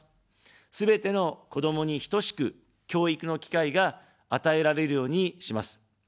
すべての子どもに等しく、教育の機会が与えられるようにします。